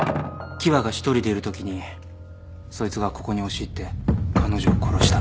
喜和が１人でいるときにそいつがここに押し入って彼女を殺した。